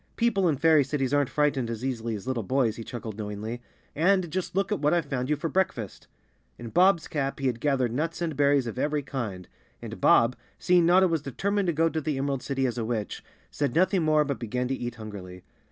"People in fairy cities aren't frightened as easily as little boys," he chuckled knowingly. "And just look what I've found you for breakfast!" In Bob's cap he had gathered nuts and berries of every kind, and Bob, seeing Notta was determined to go to the Emerald City as a witch, said nothing more but began to eat hungrily.